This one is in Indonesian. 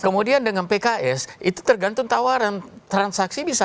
kemudian dengan pks itu tergantung tawaran transaksi bisa